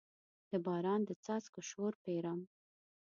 د باران د څاڅکو شور پیرم